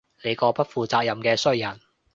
你個不負責任嘅衰人